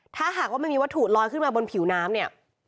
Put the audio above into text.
ถ้าหากว่ามันมีวัตถุลอยขึ้นมาบนผิวน้ำเนี่ย